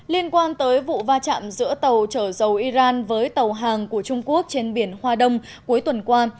liên quan tới vụ va chạm giữa tàu chở dầu iran với tàu hàng của trung quốc trên biển hoa đông cuối tuần qua